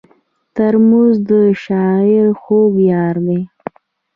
ترموز د شاعر خوږ یار دی.